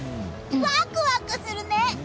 ワクワクするね！